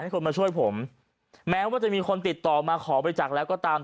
คนมาช่วยผมแม้ว่าจะมีคนติดต่อมาขอบริจาคแล้วก็ตาม